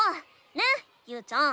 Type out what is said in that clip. ねゆうちゃん。